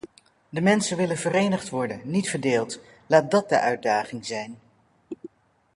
De mensen willen verenigd worden, niet verdeeld - laat dat de uitdaging zijn!